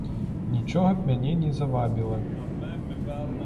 Нічога б мяне не завабіла.